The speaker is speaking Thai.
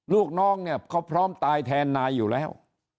ลูกน้องเนี่ยเขาพร้อมตายแทนนายอยู่แล้ว